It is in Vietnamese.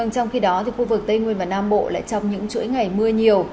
trong khi đó khu vực tây nguyên và nam bộ lại trong những chuỗi ngày mưa nhiều